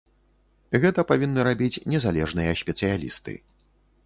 Гэта павінны рабіць незалежныя спецыялісты.